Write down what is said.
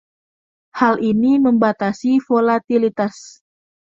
Hal ini membatasi volatilitas.